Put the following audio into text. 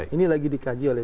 ini lagi dikaji oleh